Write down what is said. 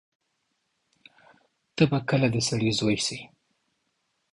ته به کله د سړی زوی سې.